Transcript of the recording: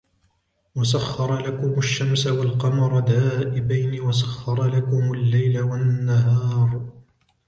وسخر لكم الشمس والقمر دائبين وسخر لكم الليل والنهار